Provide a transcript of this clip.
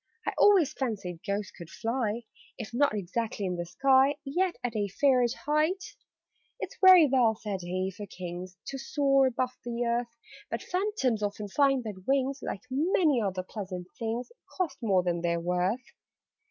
I always fancied Ghosts could fly If not exactly in the sky, Yet at a fairish height." "It's very well," said he, "for Kings To soar above the earth: But Phantoms often find that wings Like many other pleasant things Cost more than they are worth.